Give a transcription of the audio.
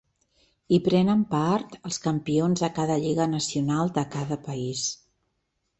Hi prenen part els campions de cada lliga nacional de cada país.